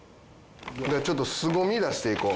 ちょっとすごみ出していこう。